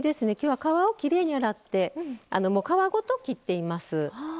皮をきれいに洗って皮ごと切っています。